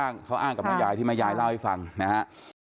อันนี้เขาอ้างกับแม่ยายที่แม่ยายเล่าให้ฟังนะฮะ